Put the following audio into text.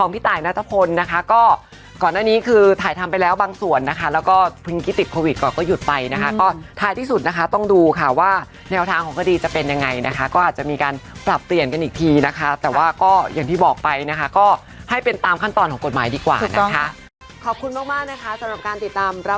จะเป็นยังไงนะคะก็อาจจะมีการปรับเปลี่ยนกันอีกทีนะคะแต่ว่าก็อย่างที่บอกไปนะคะก็ให้เป็นตามขั้นตอนของกฎหมายดีกว่านะคะ